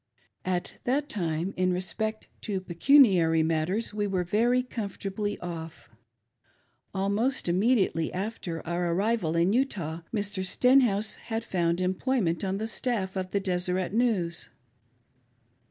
At that time, in respect to pecuniary matters we were very comfortably bff. Almost immediately after our arrival in Utah, Mr. Stenhouse had found employment on the staff of the Deseret News.